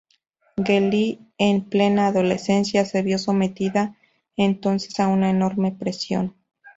Geli, en plena adolescencia, se vio sometida entonces a una enorme presión.